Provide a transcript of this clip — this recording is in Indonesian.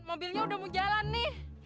mobilnya udah mau jalan nih